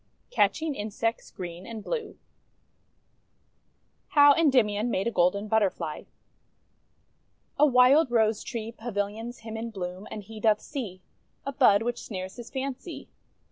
CATCHING INSECTS GREEN AND BLUE HOW ENDYMION MADE A GOLDEN BUTTERFLY A Wild Rose tree Pavilions him in bloom, and he doth see A bud which snares his fancy.